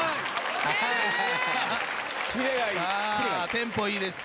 テンポいいです。